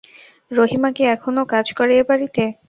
রহিমা কি এখনো কাজ করে এ-বাড়িতে?